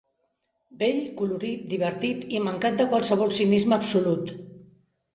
Bell, colorit, divertit, i mancat de qualsevol cinisme absolut.